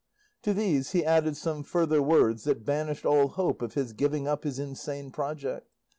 To these he added some further words that banished all hope of his giving up his insane project.